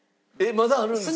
まだあるんですか？